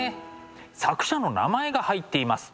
作者の名前が入っています。